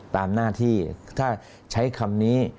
ตามนาธิถ้าใช้คำนี้